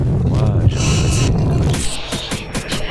Moi, j’ai engraissé, que veux-tu!